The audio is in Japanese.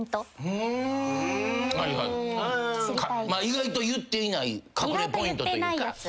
意外と言っていない隠れポイントというか。